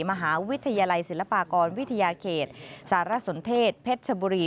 มหาวิทยาลัยศิลปากรวิทยาเขตสารสนเทศเพชรชบุรี